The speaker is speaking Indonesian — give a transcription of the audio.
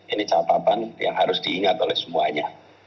ini catatan yang harus diingat oleh semuanya